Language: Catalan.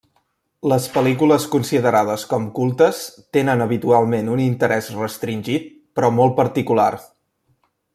Les pel·lícules considerades com cultes tenen habitualment un interès restringit però molt particular.